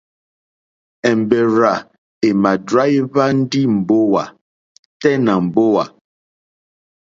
Èmbèrzà èmà dráíhwá ndí mbówà tɛ́ nà mbówà.